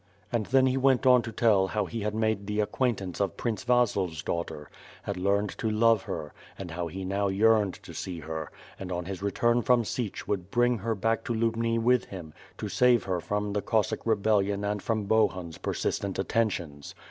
And then he went on to tell how he had made the ac quaintance of Prince Vasil's daughter; had learned to love her, and how he now yearned to see her, and on his return from Sich would bring her back to Lubni with him, to save her from the Cossack rebellion and from Bohun's persistent attentions.